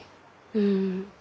うん。